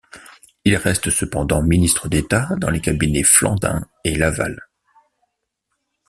Il reste cependant ministre d'État dans les cabinets Flandin et Laval.